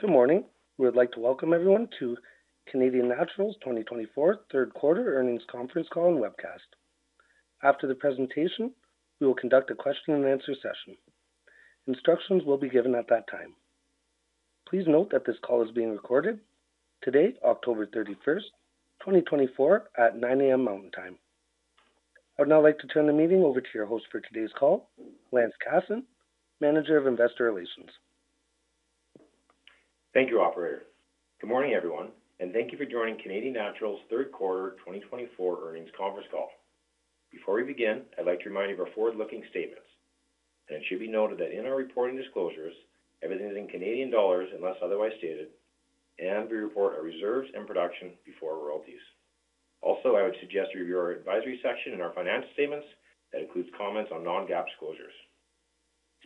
Good morning. We would like to welcome everyone to Canadian Natural's 2024 third quarter earnings conference call and webcast. After the presentation, we will conduct a question-and-answer session. Instructions will be given at that time. Please note that this call is being recorded today, October 31st, 2024, at 9:00 A.M. Mountain Time. I would now like to turn the meeting over to your host for today's call, Lance Casson, Manager of Investor Relations. Thank you, Operator. Good morning, everyone, and thank you for joining Canadian Natural's third quarter 2024 earnings conference call. Before we begin, I'd like to remind you of our forward-looking statements, and it should be noted that in our reporting disclosures, everything is in Canadian dollars unless otherwise stated, and we report our reserves and production before royalties. Also, I would suggest you review our advisory section and our financial statements that includes comments on non-GAAP disclosures.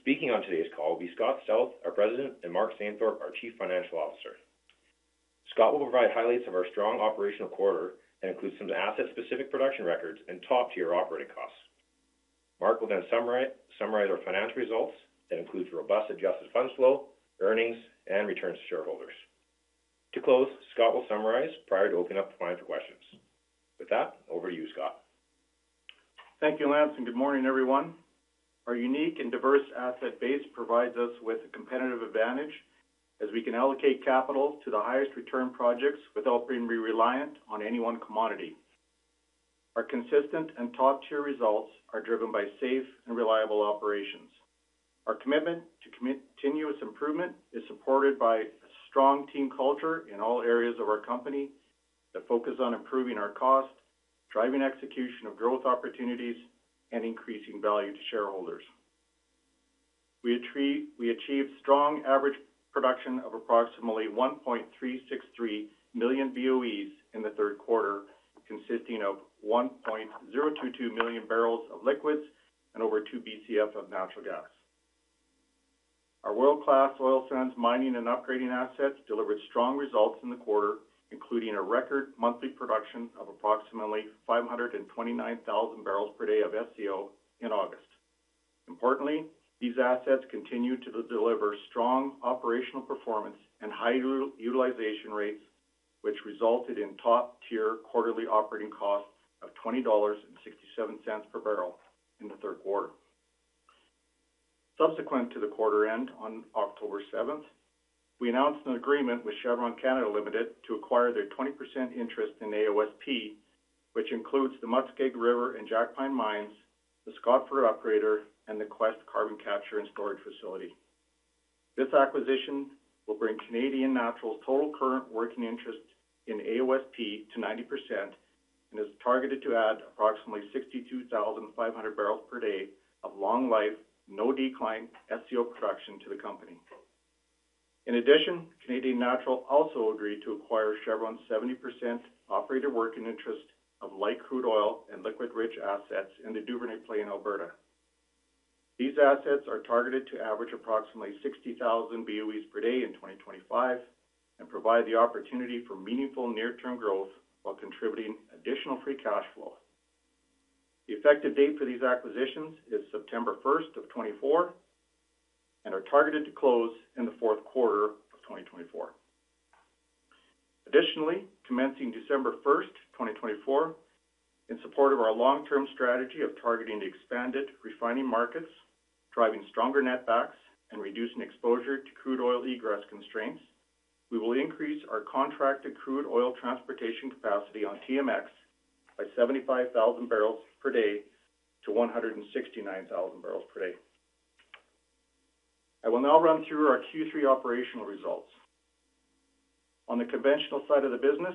Speaking on today's call will be Scott Stauth, our President, and Mark Stainthorpe, our Chief Financial Officer. Scott will provide highlights of our strong operational quarter that includes some asset-specific production records and top-tier operating costs. Mark will then summarize our financial results that include robust adjusted funds flow, earnings, and returns to shareholders. To close, Scott will summarize prior to opening up the time for questions. With that, over to you, Scott. Thank you, Lance, and good morning, everyone. Our unique and diverse asset base provides us with a competitive advantage as we can allocate capital to the highest return projects without being reliant on any one commodity. Our consistent and top-tier results are driven by safe and reliable operations. Our commitment to continuous improvement is supported by a strong team culture in all areas of our company that focus on improving our cost, driving execution of growth opportunities, and increasing value to shareholders. We achieved strong average production of approximately 1.363 million BOEs in the third quarter, consisting of 1.022 million barrels of liquids and over 2 BCF of natural gas. Our world-class oil sands mining and upgrading assets delivered strong results in the quarter, including a record monthly production of approximately 529,000 barrels per day of SCO in August. Importantly, these assets continued to deliver strong operational performance and high utilization rates, which resulted in top-tier quarterly operating costs of $20.67 per barrel in the third quarter. Subsequent to the quarter end on October 7th, we announced an agreement with Chevron Canada Limited to acquire their 20% interest in AOSP, which includes the Muskeg River Mine and Jack Pine Mine, the Scotford Upgrader, and the Quest Carbon Capture and Storage Facility. This acquisition will bring Canadian Natural's total current working interest in AOSP to 90% and is targeted to add approximately 62,500 barrels per day of long-life, no-decline SCO production to the company. In addition, Canadian Natural also agreed to acquire Chevron's 70% operator working interest of light crude oil and liquid-rich assets in the Duvernay play, Alberta. These assets are targeted to average approximately 60,000 BOEs per day in 2025 and provide the opportunity for meaningful near-term growth while contributing additional free cash flow. The effective date for these acquisitions is September 1st of 2024 and are targeted to close in the fourth quarter of 2024. Additionally, commencing December 1st, 2024, in support of our long-term strategy of targeting the expanded refining markets, driving stronger netbacks, and reducing exposure to crude oil egress constraints, we will increase our contracted crude oil transportation capacity on TMX by 75,000 barrels per day to 169,000 barrels per day. I will now run through our Q3 operational results. On the conventional side of the business,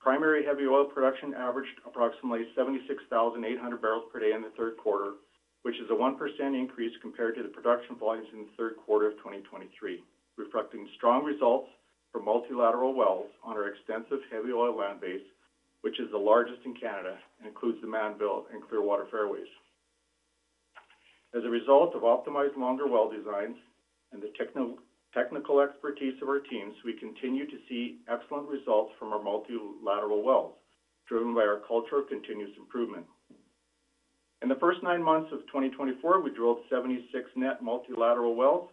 primary heavy oil production averaged approximately 76,800 barrels per day in the third quarter, which is a 1% increase compared to the production volumes in the third quarter of 2023, reflecting strong results from multilateral wells on our extensive heavy oil land base, which is the largest in Canada and includes the Mannville and Clearwater fairways. As a result of optimized longer well designs and the technical expertise of our teams, we continue to see excellent results from our multilateral wells, driven by our culture of continuous improvement. In the first nine months of 2024, we drilled 76 net multilateral wells,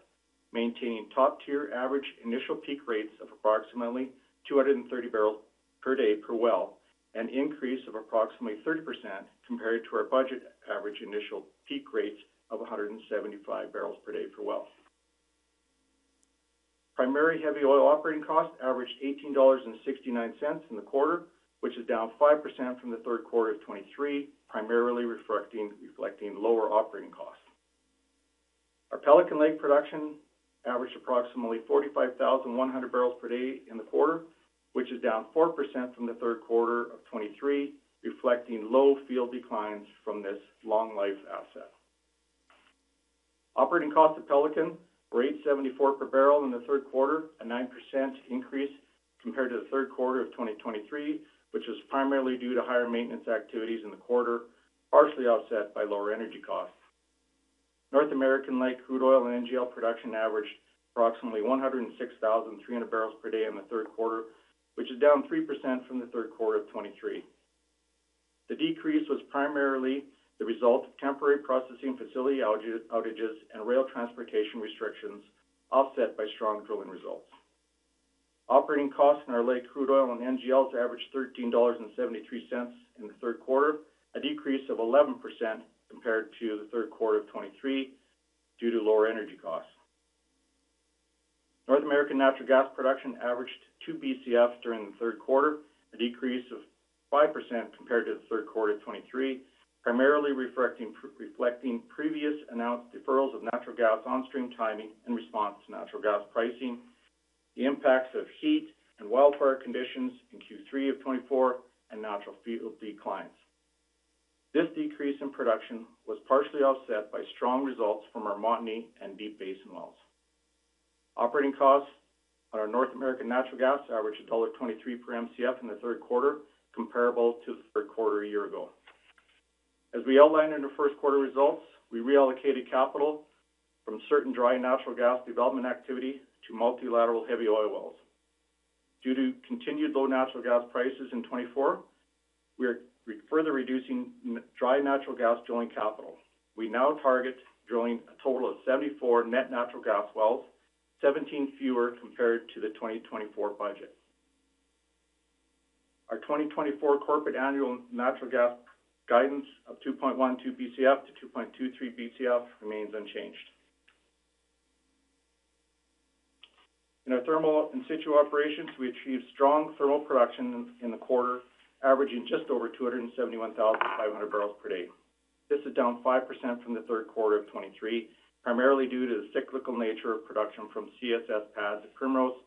maintaining top-tier average initial peak rates of approximately 230 barrels per day per well, an increase of approximately 30% compared to our budget average initial peak rates of 175 barrels per day per well. Primary heavy oil operating costs averaged 18.69 dollars in the quarter, which is down 5% from the third quarter of 2023, primarily reflecting lower operating costs. Our Pelican Lake production averaged approximately 45,100 barrels per day in the quarter, which is down 4% from the third quarter of 2023, reflecting low field declines from this long-life asset. Operating costs at Pelican were 8.74 per barrel in the third quarter, a 9% increase compared to the third quarter of 2023, which was primarily due to higher maintenance activities in the quarter, partially offset by lower energy costs. North American light crude oil and NGL production averaged approximately 106,300 barrels per day in the third quarter, which is down 3% from the third quarter of 2023. The decrease was primarily the result of temporary processing facility outages and rail transportation restrictions, offset by strong drilling results. Operating costs in our light crude oil and NGLs averaged 13.73 dollars in the third quarter, a decrease of 11% compared to the third quarter of 2023 due to lower energy costs. North American natural gas production averaged 2 BCF during the third quarter, a decrease of 5% compared to the third quarter of 2023, primarily reflecting previous announced deferrals of natural gas on-stream timing in response to natural gas pricing, the impacts of heat and wildfire conditions in Q3 of 2024, and natural fuel declines. This decrease in production was partially offset by strong results from our Montney and Deep Basin wells. Operating costs on our North American natural gas averaged dollar 1.23 per MCF in the third quarter, comparable to the third quarter a year ago. As we outlined in our first quarter results, we reallocated capital from certain dry natural gas development activity to multilateral heavy oil wells. Due to continued low natural gas prices in 2024, we are further reducing dry natural gas drilling capital. We now target drilling a total of 74 net natural gas wells, 17 fewer compared to the 2024 budget. Our 2024 corporate annual natural gas guidance of 2.12 BCF to 2.23 BCF remains unchanged. In our thermal in-situ operations, we achieved strong thermal production in the quarter, averaging just over 271,500 barrels per day. This is down 5% from the third quarter of 2023, primarily due to the cyclical nature of production from CSS pads, Primrose,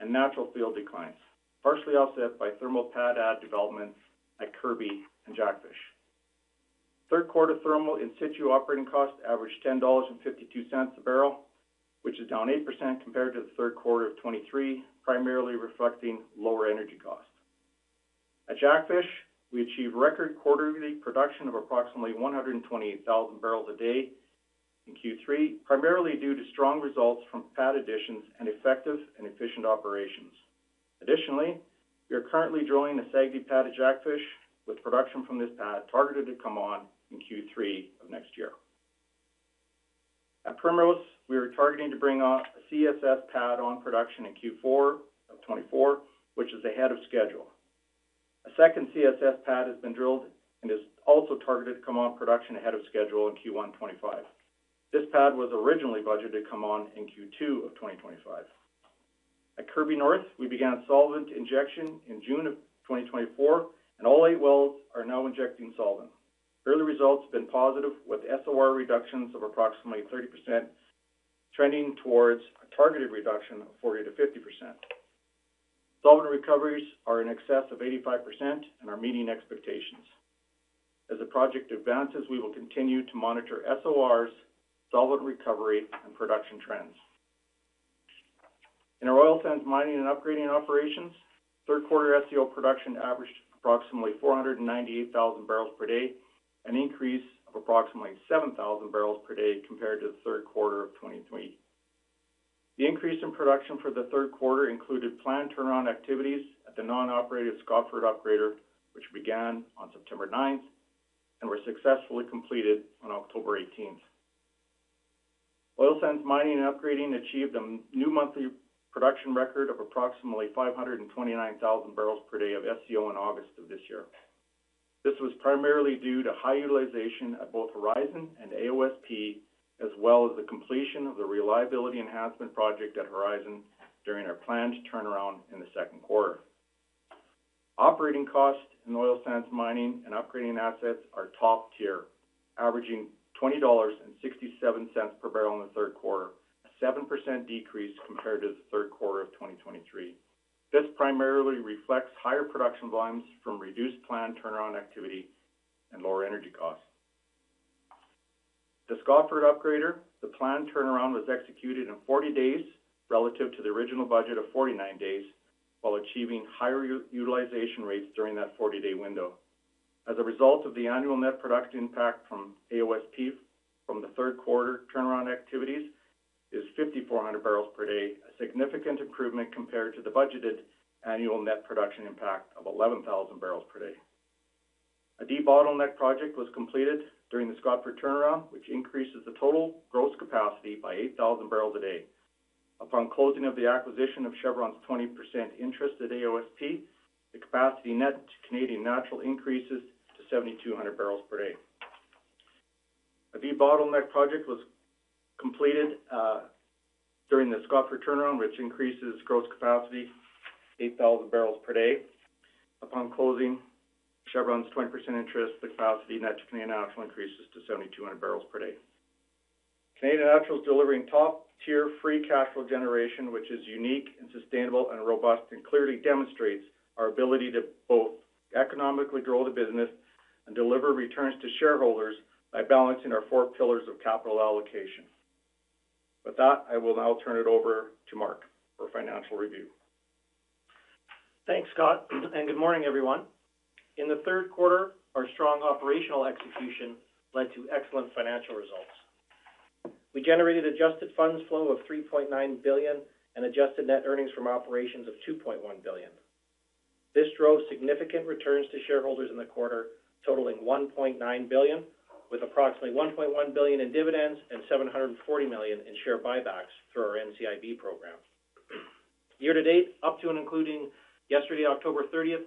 and natural field declines, partially offset by thermal pad add development at Kirby and Jackfish. Third quarter thermal in-situ operating costs averaged 10.52 dollars a barrel, which is down 8% compared to the third quarter of 2023, primarily reflecting lower energy costs. At Jackfish, we achieved record quarterly production of approximately 128,000 barrels a day in Q3, primarily due to strong results from pad additions and effective and efficient operations. Additionally, we are currently drilling a SAGD pad at Jackfish with production from this pad targeted to come on in Q3 of next year. At Primrose, we are targeting to bring on a CSS pad on production in Q4 of 2024, which is ahead of schedule. A second CSS pad has been drilled and is also targeted to come on production ahead of schedule in Q1 2025. This pad was originally budgeted to come on in Q2 of 2025. At Kirby North, we began solvent injection in June of 2024, and all eight wells are now injecting solvent. Early results have been positive with SOR reductions of approximately 30%, trending towards a targeted reduction of 40%-50%. Solvent recoveries are in excess of 85% and are meeting expectations. As the project advances, we will continue to monitor SORs, solvent recovery, and production trends. In our oil sands mining and upgrading operations, third quarter SCO production averaged approximately 498,000 barrels per day, an increase of approximately 7,000 barrels per day compared to the third quarter of 2023. The increase in production for the third quarter included planned turnaround activities at the non-operated Scotford Upgrader, which began on September 9th and were successfully completed on October 18th. Oil sands mining and upgrading achieved a new monthly production record of approximately 529,000 barrels per day of SCO in August of this year. This was primarily due to high utilization at both Horizon and AOSP, as well as the completion of the reliability enhancement project at Horizon during our planned turnaround in the second quarter. Operating costs in oil sands mining and upgrading assets are top tier, averaging 20.67 dollars per barrel in the third quarter, a 7% decrease compared to the third quarter of 2023. This primarily reflects higher production volumes from reduced planned turnaround activity and lower energy costs. The Scotford Upgrader, the planned turnaround was executed in 40 days relative to the original budget of 49 days, while achieving higher utilization rates during that 40-day window. As a result, the annual net production impact from AOSP from the third quarter turnaround activities is 5,400 barrels per day, a significant improvement compared to the budgeted annual net production impact of 11,000 barrels per day. A debottleneck project was completed during the Scotford turnaround, which increases the total gross capacity by 8,000 barrels a day. Upon closing of the acquisition of Chevron's 20% interest at AOSP, the net capacity to Canadian Natural increases to 7,200 barrels per day. A debottleneck project was completed during the Scotford turnaround, which increases gross capacity to 8,000 barrels per day. Upon closing Chevron's 20% interest, the net capacity to Canadian Natural increases to 7,200 barrels per day. Canadian Natural is delivering top-tier free cash flow generation, which is unique and sustainable and robust, and clearly demonstrates our ability to both economically grow the business and deliver returns to shareholders by balancing our four pillars of capital allocation. With that, I will now turn it over to Mark for financial review. Thanks, Scott, and good morning, everyone. In the third quarter, our strong operational execution led to excellent financial results. We generated adjusted funds flow of 3.9 billion and adjusted net earnings from operations of 2.1 billion. This drove significant returns to shareholders in the quarter, totaling 1.9 billion, with approximately 1.1 billion in dividends and 740 million in share buybacks through our NCIB program. Year to date, up to and including yesterday, October 30th,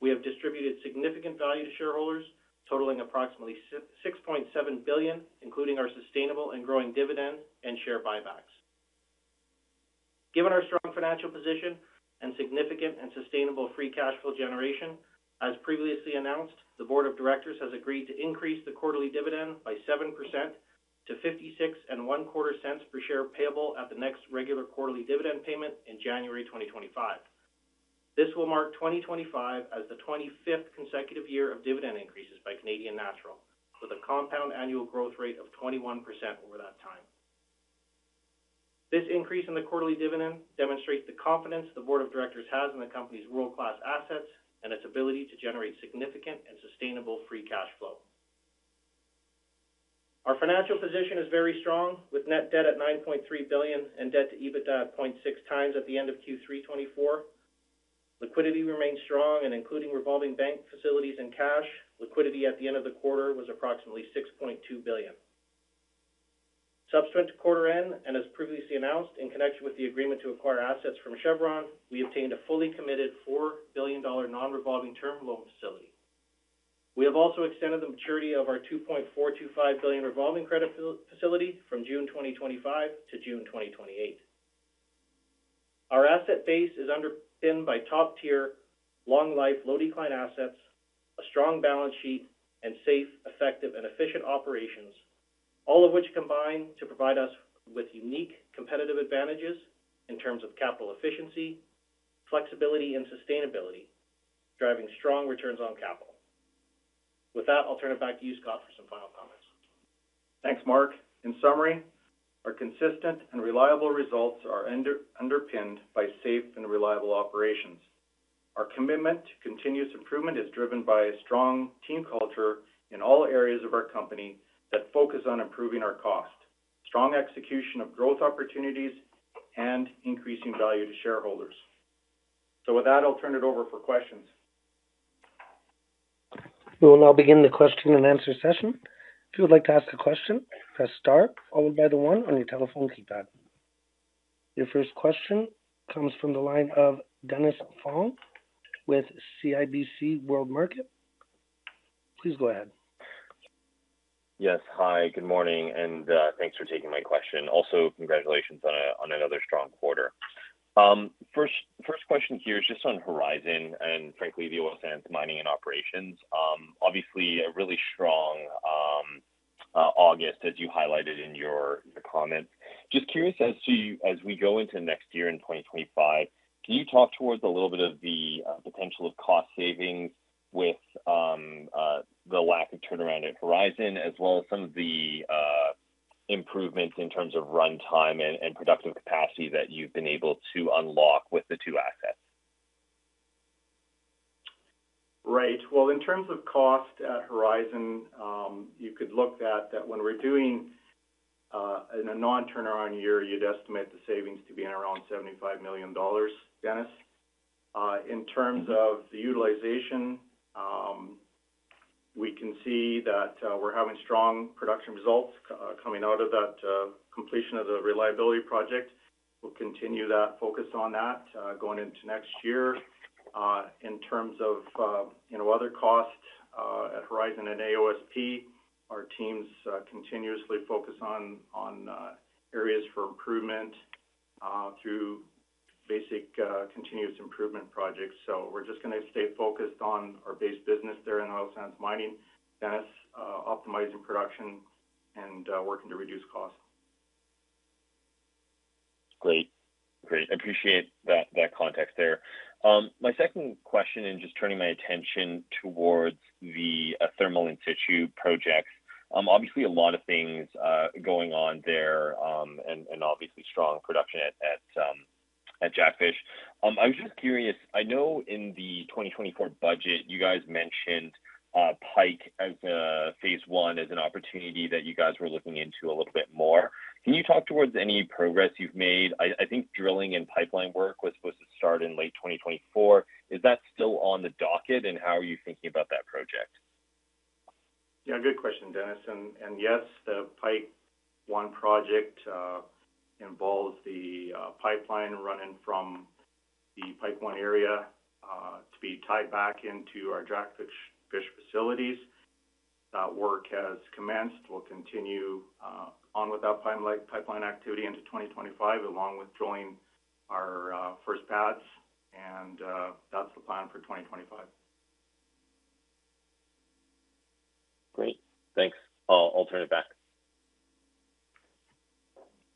we have distributed significant value to shareholders, totaling approximately 6.7 billion, including our sustainable and growing dividend and share buybacks. Given our strong financial position and significant and sustainable free cash flow generation, as previously announced, the Board of Directors has agreed to increase the quarterly dividend by 7% to 0.5625 per share payable at the next regular quarterly dividend payment in January 2025. This will mark 2025 as the 25th consecutive year of dividend increases by Canadian Natural, with a compound annual growth rate of 21% over that time. This increase in the quarterly dividend demonstrates the confidence the Board of Directors has in the company's world-class assets and its ability to generate significant and sustainable free cash flow. Our financial position is very strong, with net debt at 9.3 billion and debt to EBITDA at 0.6 times at the end of Q3 2024. Liquidity remains strong, and including revolving bank facilities and cash, liquidity at the end of the quarter was approximately 6.2 billion. Subsequent to quarter end, and as previously announced, in connection with the agreement to acquire assets from Chevron, we obtained a fully committed 4 billion dollar non-revolving term loan facility. We have also extended the maturity of our 2.425 billion revolving credit facility from June 2025 to June 2028. Our asset base is underpinned by top-tier long-life, low-decline assets, a strong balance sheet, and safe, effective, and efficient operations, all of which combine to provide us with unique competitive advantages in terms of capital efficiency, flexibility, and sustainability, driving strong returns on capital. With that, I'll turn it back to you, Scott, for some final comments. Thanks, Mark. In summary, our consistent and reliable results are underpinned by safe and reliable operations. Our commitment to continuous improvement is driven by a strong team culture in all areas of our company that focus on improving our cost, strong execution of growth opportunities, and increasing value to shareholders. So with that, I'll turn it over for questions. We will now begin the question and answer session. If you would like to ask a question, press Star, followed by the 1 on your telephone keypad. Your first question comes from the line of Dennis Fong with CIBC World Markets. Please go ahead. Yes. Hi, good morning, and thanks for taking my question. Also, congratulations on another strong quarter. First question here is just on Horizon and, frankly, the oil sands mining and operations. Obviously, a really strong August, as you highlighted in your comments. Just curious, as we go into next year in 2025, can you talk towards a little bit of the potential of cost savings with the lack of turnaround at Horizon, as well as some of the improvements in terms of runtime and productive capacity that you've been able to unlock with the two assets? Right. Well, in terms of cost at Horizon, you could look at that when we're doing in a non-turnaround year, you'd estimate the savings to be around 75 million dollars, Dennis. In terms of the utilization, we can see that we're having strong production results coming out of that completion of the reliability project. We'll continue that, focus on that going into next year. In terms of other costs at Horizon and AOSP, our teams continuously focus on areas for improvement through basic continuous improvement projects. So we're just going to stay focused on our base business there in oil sands mining, Dennis, optimizing production, and working to reduce costs. Great. Great. I appreciate that context there. My second question, and just turning my attention towards the thermal in-situ projects, obviously, a lot of things going on there and obviously strong production at Jackfish. I was just curious, I know in the 2024 budget, you guys mentioned Pike as a phase one, as an opportunity that you guys were looking into a little bit more. Can you talk about any progress you've made? I think drilling and pipeline work was supposed to start in late 2024. Is that still on the docket, and how are you thinking about that project? Yeah, good question, Dennis. And yes, the Pike 1 project involves the pipeline running from the Pike 1 area to be tied back into our Jackfish facilities. That work has commenced. We'll continue on with that pipeline activity into 2025, along with drilling our first pads, and that's the plan for 2025. Great. Thanks. I'll turn it back.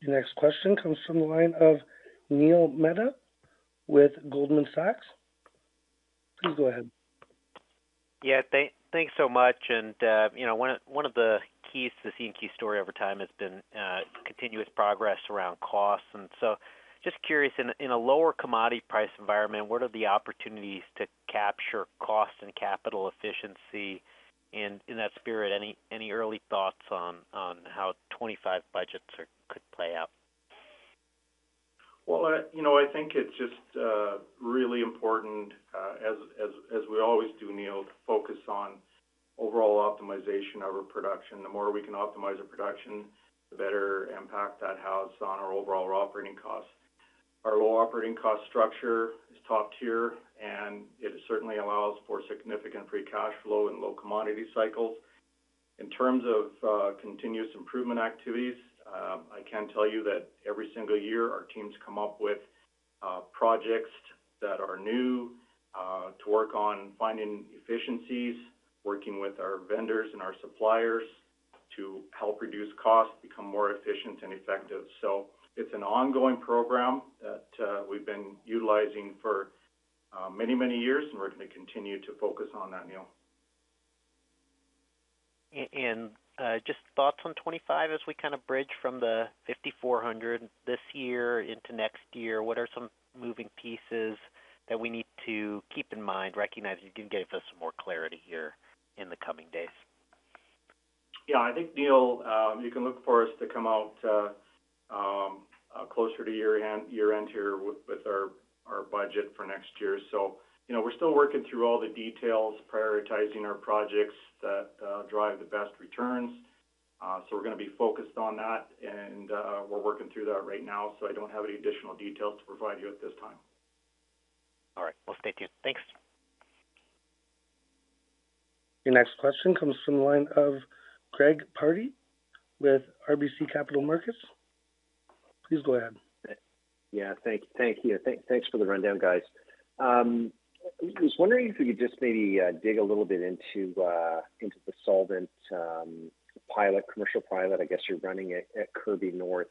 Your next question comes from the line of Neil Mehta with Goldman Sachs. Please go ahead. Yeah. Thanks so much. And one of the keys to the CNQ story over time has been continuous progress around costs. And so just curious, in a lower commodity price environment, what are the opportunities to capture cost and capital efficiency? In that spirit, any early thoughts on how 25 budgets could play out? I think it's just really important, as we always do, Neil, to focus on overall optimization of our production. The more we can optimize our production, the better impact that has on our overall operating costs. Our low operating cost structure is top tier, and it certainly allows for significant free cash flow and low commodity cycles. In terms of continuous improvement activities, I can tell you that every single year, our teams come up with projects that are new to work on, finding efficiencies, working with our vendors and our suppliers to help reduce costs, become more efficient and effective. It's an ongoing program that we've been utilizing for many, many years, and we're going to continue to focus on that, Neil. And just thoughts on 25 as we kind of bridge from the 5,400 this year into next year. What are some moving pieces that we need to keep in mind, recognizing you can give us some more clarity here in the coming days? Yeah. I think, Neil, you can look for us to come out closer to year-end here with our budget for next year. So we're still working through all the details, prioritizing our projects that drive the best returns. So we're going to be focused on that, and we're working through that right now. So I don't have any additional details to provide you at this time. All right. Well, thank you. Thanks. Your next question comes from the line of Greg Pardy with RBC Capital Markets. Please go ahead. Yeah. Thank you. Thanks for the rundown, guys. I was wondering if you could just maybe dig a little bit into the solvent pilot, commercial pilot, I guess you're running at Kirby North.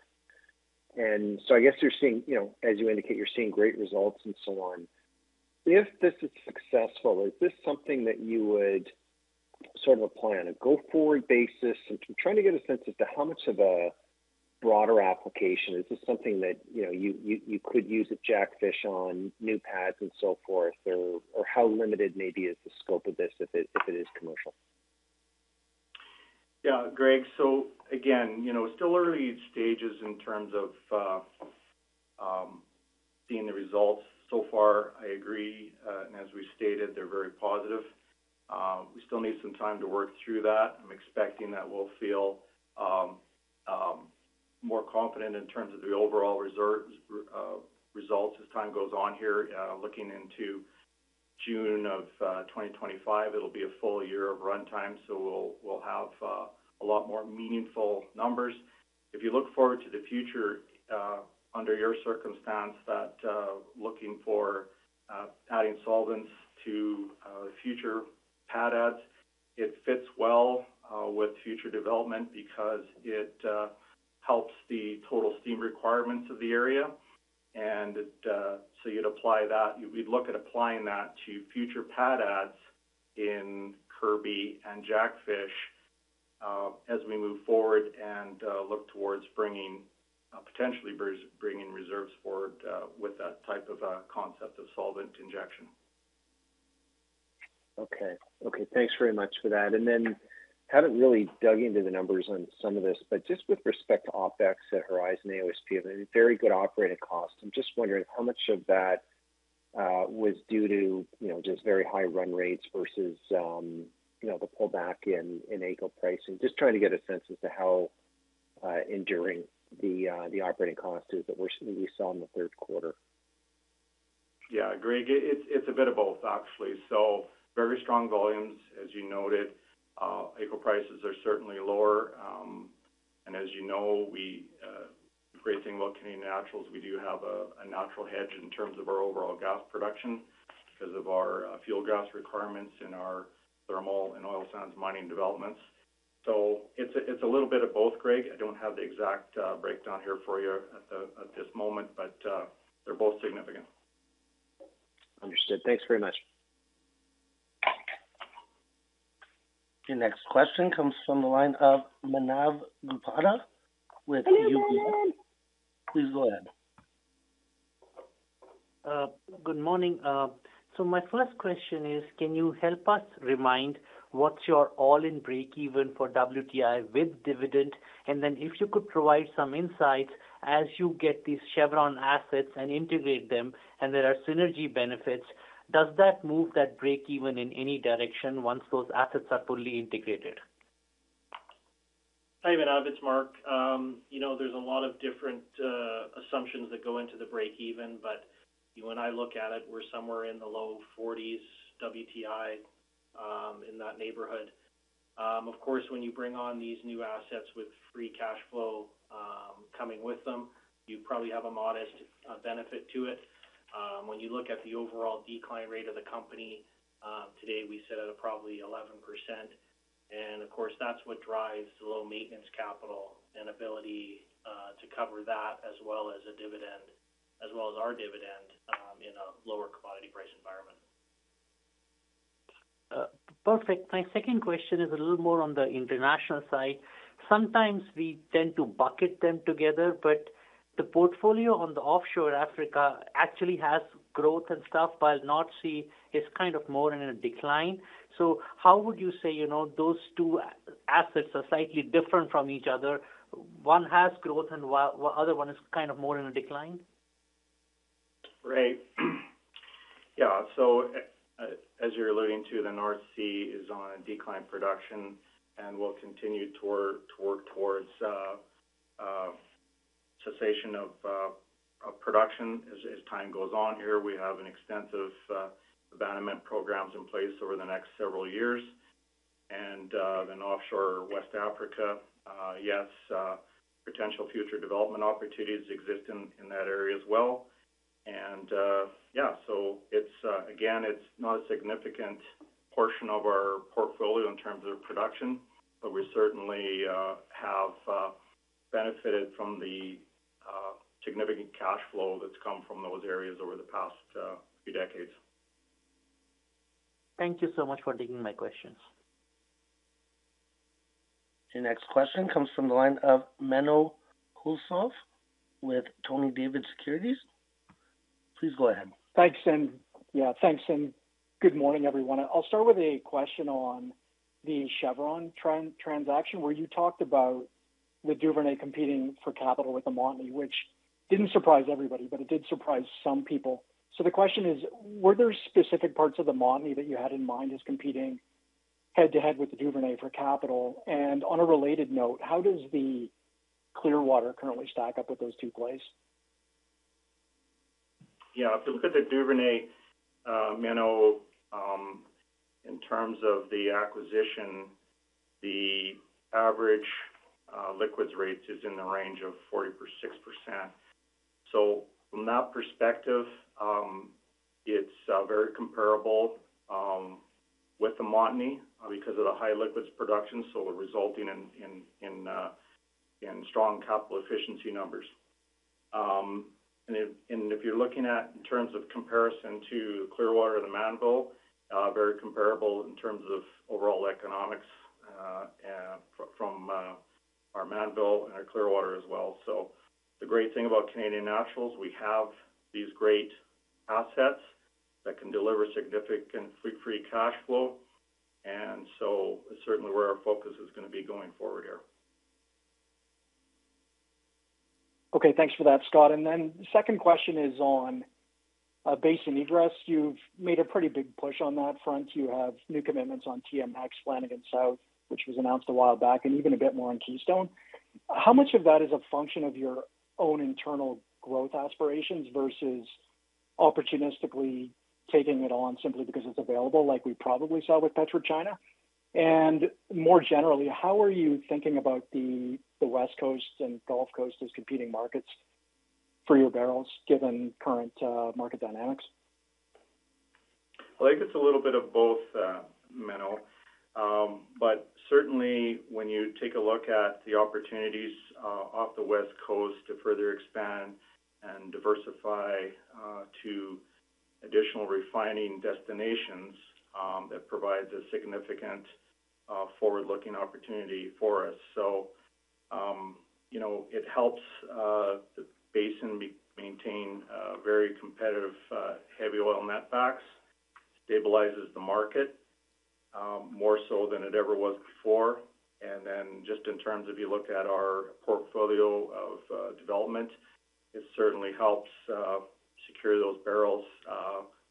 And so I guess you're seeing, as you indicate, you're seeing great results and so on. If this is successful, is this something that you would sort of apply on a go-forward basis? I'm trying to get a sense as to how much of a broader application is this something that you could use at Jackfish on new pads and so forth, or how limited maybe is the scope of this if it is commercial? Yeah, Greg. So again, still early stages in terms of seeing the results. So far, I agree. And as we stated, they're very positive. We still need some time to work through that. I'm expecting that we'll feel more confident in terms of the overall results as time goes on here. Looking into June of 2025, it'll be a full year of runtime, so we'll have a lot more meaningful numbers. If you look forward to the future, under your circumstance, that looking for adding solvents to future pad adds, it fits well with future development because it helps the total steam requirements of the area, and so you'd apply that. We'd look at applying that to future pad adds in Kirby and Jackfish as we move forward and look towards potentially bringing reserves forward with that type of concept of solvent injection. Okay. Okay. Thanks very much for that, and then haven't really dug into the numbers on some of this, but just with respect to OpEx at Horizon, AOSP, very good operating costs. I'm just wondering how much of that was due to just very high run rates versus the pullback in ACO pricing. Just trying to get a sense as to how enduring the operating cost is that we saw in the third quarter. Yeah, Greg, it's a bit of both, actually. So very strong volumes, as you noted. ACO prices are certainly lower. And as you know, great thing about Canadian Natural, we do have a natural hedge in terms of our overall gas production because of our fuel gas requirements and our thermal and oil sands mining developments. So it's a little bit of both, Greg. I don't have the exact breakdown here for you at this moment, but they're both significant. Understood. Thanks very much. Your next question comes from the line of Manav Gupta with UBS. Please go ahead. Good morning. So my first question is, can you help us remind what's your all-in breakeven for WTI with dividend? And then if you could provide some insights as you get these Chevron assets and integrate them, and there are synergy benefits, does that move that breakeven in any direction once those assets are fully integrated? Hi, Manav. It's Mark. There's a lot of different assumptions that go into the breakeven, but when I look at it, we're somewhere in the low 40s WTI in that neighborhood. Of course, when you bring on these new assets with free cash flow coming with them, you probably have a modest benefit to it. When you look at the overall decline rate of the company today, we sit at probably 11%. And of course, that's what drives the low maintenance capital and ability to cover that, as well as a dividend, as well as our dividend in a lower commodity price environment. Perfect. My second question is a little more on the international side. Sometimes we tend to bucket them together, but the portfolio on the offshore West Africa actually has growth and stuff, while North Sea is kind of more in a decline. So how would you say those two assets are slightly different from each other? One has growth, and the other one is kind of more in a decline? Right. Yeah. So as you're alluding to, the North Sea is on a declining production, and we'll continue to work towards cessation of production as time goes on here. We have extensive abandonment programs in place over the next several years. Then offshore West Africa, yes, potential future development opportunities exist in that area as well. Yeah, so again, it's not a significant portion of our portfolio in terms of production, but we certainly have benefited from the significant cash flow that's come from those areas over the past few decades. Thank you so much for taking my questions. Your next question comes from the line of Menno Hulshof with TD Securities. Please go ahead. Thanks. Yeah, thanks. Good morning, everyone. I'll start with a question on the Chevron transaction, where you talked about the Duvernay competing for capital with the Montney, which didn't surprise everybody, but it did surprise some people. So the question is, were there specific parts of the Montney that you had in mind as competing head-to-head with the Duvernay for capital? And on a related note, how does the Clearwater currently stack up with those two plays? Yeah. If you look at the Duvernay, Menno, in terms of the acquisition, the average liquids rate is in the range of 40%. So from that perspective, it's very comparable with the Montney because of the high liquids production, so resulting in strong capital efficiency numbers. If you're looking at in terms of comparison to Clearwater and the Mannville, very comparable in terms of overall economics from our Mannville and our Clearwater as well. The great thing about Canadian Natural's, we have these great assets that can deliver significant free cash flow. Certainly, where our focus is going to be going forward here. Okay. Thanks for that, Scott. The second question is on basin egress. You've made a pretty big push on that front. You have new commitments on TMX planning in South, which was announced a while back, and even a bit more on Keystone. How much of that is a function of your own internal growth aspirations versus opportunistically taking it on simply because it's available, like we probably saw with PetroChina? And more generally, how are you thinking about the West Coast and Gulf Coast as competing markets for your barrels, given current market dynamics? I think it's a little bit of both, Menno. But certainly, when you take a look at the opportunities off the West Coast to further expand and diversify to additional refining destinations, that provides a significant forward-looking opportunity for us. So it helps the basin maintain very competitive heavy oil netbacks, stabilizes the market more so than it ever was before. And then just in terms of you look at our portfolio of development, it certainly helps secure those barrels,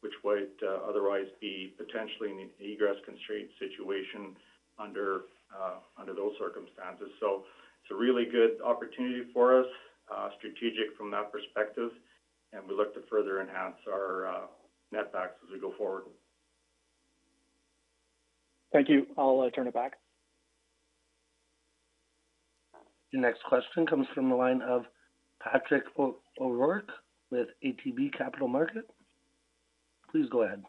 which would otherwise be potentially an egress constraint situation under those circumstances. So it's a really good opportunity for us, strategic from that perspective. And we look to further enhance our netbacks as we go forward. Thank you. I'll turn it back. Your next question comes from the line of Patrick O'Rourke with ATB Capital Markets. Please go ahead.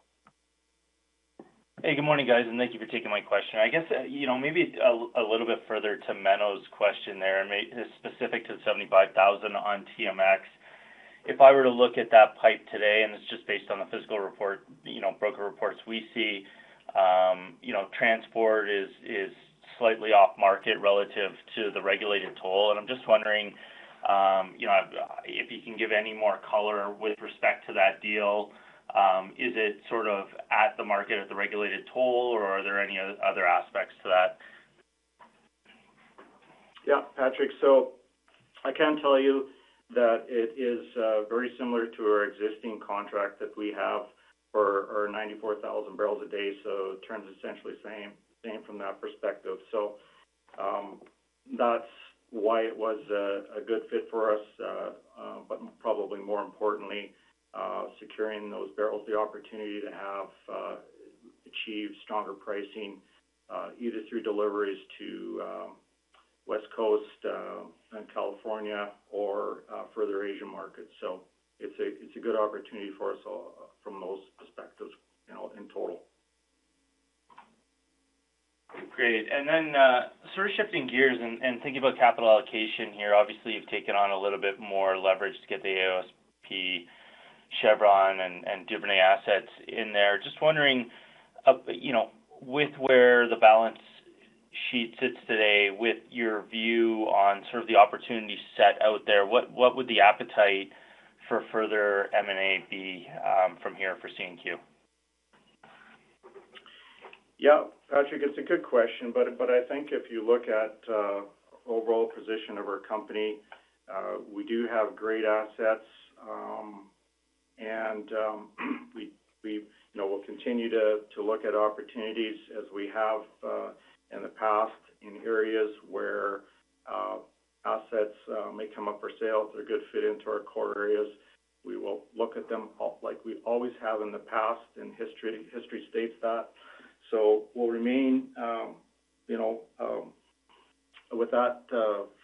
Hey, good morning, guys. And thank you for taking my question. I guess maybe a little bit further to Menno's question there, specific to the 75,000 on TMX. If I were to look at that pipe today, and it's just based on the fiscal report, broker reports we see, transport is slightly off-market relative to the regulated toll. I'm just wondering if you can give any more color with respect to that deal. Is it sort of at the market at the regulated toll, or are there any other aspects to that? Yeah, Patrick. So I can tell you that it is very similar to our existing contract that we have for our 94,000 barrels a day. So it turns essentially same from that perspective. So that's why it was a good fit for us, but probably more importantly, securing those barrels, the opportunity to have achieved stronger pricing either through deliveries to West Coast and California or further Asian markets. So it's a good opportunity for us from those perspectives in total. Great. And then sort of shifting gears and thinking about capital allocation here, obviously, you've taken on a little bit more leverage to get the AOSP, Chevron, and Duvernay assets in there. Just wondering, with where the balance sheet sits today, with your view on sort of the opportunity set out there, what would the appetite for further M&A be from here for CNQ? Yeah, Patrick, it's a good question, but I think if you look at the overall position of our company, we do have great assets. And we'll continue to look at opportunities as we have in the past in areas where assets may come up for sale. They're a good fit into our core areas. We will look at them like we always have in the past, and history states that. So we'll remain with that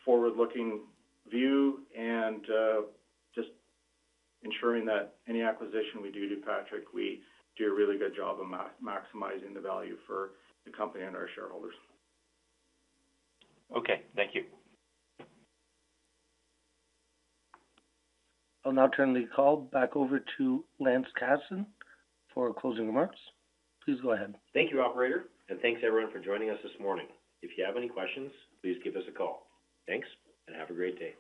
forward-looking view and just ensuring that any acquisition we do do, Patrick, we do a really good job of maximizing the value for the company and our shareholders. Okay. Thank you. I'll now turn the call back over to Lance Casson for closing remarks. Please go ahead. Thank you, operator, and thanks, everyone, for joining us this morning. If you have any questions, please give us a call. Thanks, and have a great day.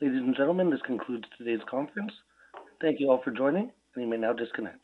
Ladies and gentlemen, this concludes today's conference. Thank you all for joining, and you may now disconnect.